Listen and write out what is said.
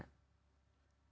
boleh jadi adalah seseorang